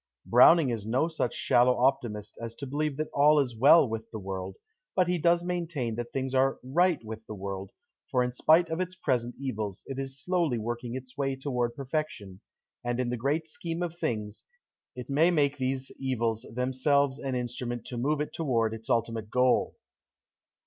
Browning is no such shallow optimist as to believe that all is well with the world, but he does maintain that things are right with the world, for in spite of its present evils it is slowly working its way toward perfection, and in the great scheme of things it may make these evils themselves an instrument to move it toward its ultimate goal.